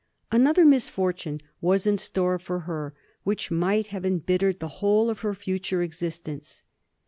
Another misfortune was in store for her, which might have embittered the whole of her future existence.